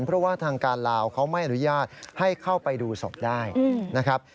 เพราะว่าทางการลาวเขาไม่อนุญาตให้เข้าไปดูศพได้นะครับ